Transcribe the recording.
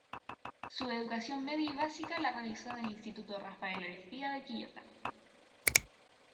Su educación media y básica la realizó en el Instituto Rafael Ariztía de Quillota.